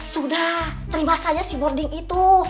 sudah terima saja si boarding itu